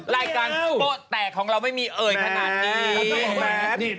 รายการโป๊ะแตกของเราไม่มีเอ่ยขนาดนี้